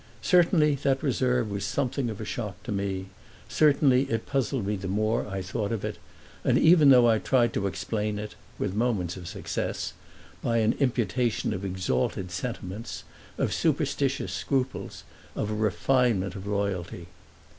Certainly that reserve was something of a shock to me—certainly it puzzled me the more I thought of it and even though I tried to explain it (with moments of success) by an imputation of exalted sentiments, of superstitious scruples, of a refinement of loyalty.